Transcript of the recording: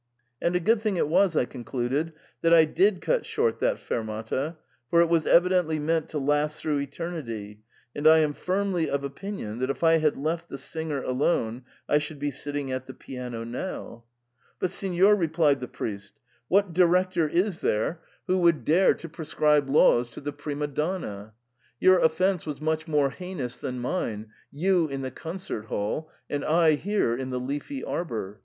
* And a good thing it was,* I concluded, * that I did cut short XhsXfermatay for it was evidently meant to last through eternity, and I am firmly of opinion that if I had left the singer alone, I should be sitting at the piano now.' * But, signor,' re plied the priest, 'what director is there who would 56 THE PERM ATA. dare to prescribe laws to the prima donna ? Your of fence was much more heinous than mine, you in the concert hall, and I here in the leafy arbour.